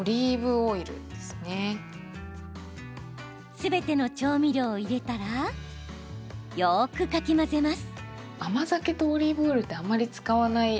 すべての調味料を入れたらよくかき混ぜます。